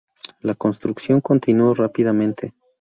La construcción continuo rápidamente.